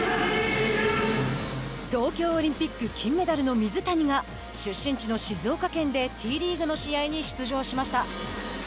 東京オリンピック金メダルの水谷が出身地の静岡県でＴリーグの試合に出場しました。